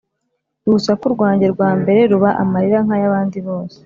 urusaku rwanjye rwa mbere ruba amarira, nk’ay’abandi bose,